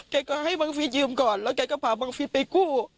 แกก็ให้บังฟิศยืมก่อนแล้วแกก็พาบังฟิศไปกู้